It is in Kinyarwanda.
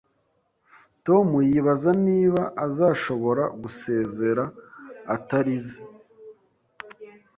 Tom yibaza niba azashobora gusezera atarize